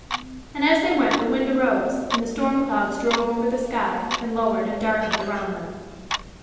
And as they went the wind arose, and the storm clouds drove over the sky and lowered and darkened around them.